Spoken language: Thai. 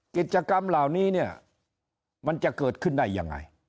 กิจกรรมเหล่านี้เนี่ยมันจะเกิดขึ้นได้ยังไง